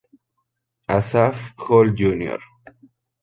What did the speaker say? Asaph Hall Jr.